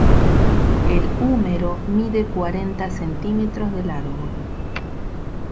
El húmero mide cuarenta centímetros de largo.